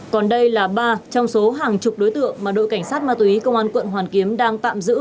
còn đây là ba trong số hàng chục đối tượng mà đội cảnh sát ma túy công an quận hoàn kiếm đang tạm giữ